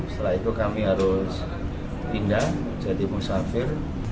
setelah itu kami harus pindah jadi musafir